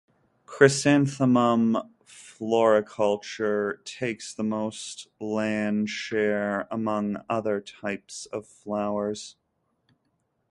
Chrysanthemum floriculture takes the most land share among other types of flowers.